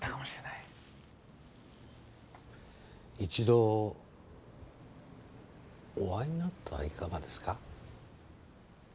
一度お会いになったらいかがですか？